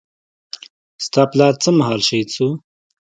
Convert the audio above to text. ستا پلار څه مهال شهيد سو.